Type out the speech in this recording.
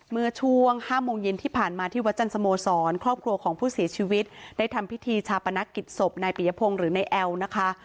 เมื่อช่วง๕โมงเย็นที่ผ่านมาที่วัดจันสโมสรครอบครัวของผู้เสียชีวิตได้ทำพิธีชาปนกิจศพนายปียพงศ์หรือนายแอลนะคะ